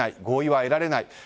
合意は得られない。